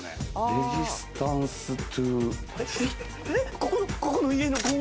レジスタンストゥー。